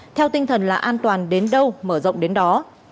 theo tinh thần là an toàn đến đâu mở rộng đến đó